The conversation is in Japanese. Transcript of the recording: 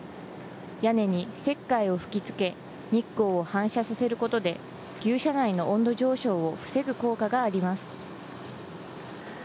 屋根に石灰を吹きつけ、日光を反射させることで、牛舎内の温度上昇を防ぐ効果があります。